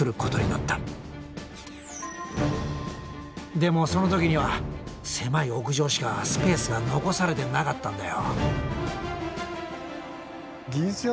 でもその時には狭い屋上しかスペースが残されてなかったんだよ。